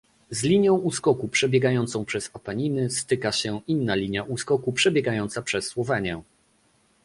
Z linią uskoku przebiegającą przez Apeniny styka się inna linia uskoku, przebiegająca przez Słowenię